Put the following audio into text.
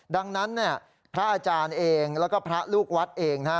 ดังนั้นเนี่ยพระอาจารย์เองแล้วก็พระลูกวัดเองนะฮะ